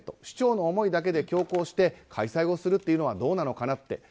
市長の思いだけで強行して開催をするというのはどうなのかなって。